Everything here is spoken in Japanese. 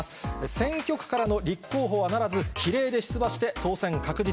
選挙区からの立候補はならず、比例で出馬して当選確実。